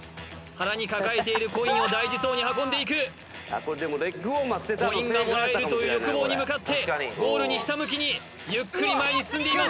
腹に抱えているコインを大事そうに運んでいくコインがもらえるという欲望に向かってゴールにひたむきにゆっくり前に進んでいます